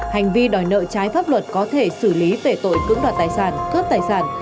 hành vi đòi nợ trái pháp luật có thể xử lý về tội cưỡng đoạt tài sản cướp tài sản